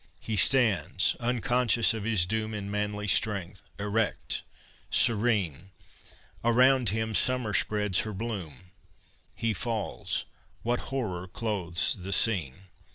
He stands, unconscious of his doom, In manly strength, erect, serene; Around him Summer spreads her bloom; He falls, what horror clothes the scene!